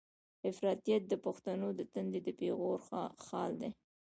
افراطيت د پښتنو د تندي د پېغور خال دی.